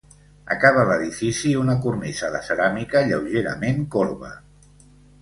Acaba l'edifici una cornisa de ceràmica lleugerament corba.